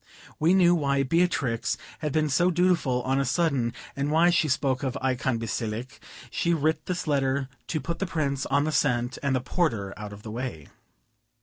We knew why Beatrix had been so dutiful on a sudden, and why she spoke of "Eikon Basilike." She writ this letter to put the Prince on the scent, and the porter out of the way.